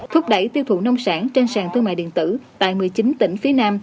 thúc đẩy tiêu thụ nông sản trên sàn thương mại điện tử tại một mươi chín tỉnh phía nam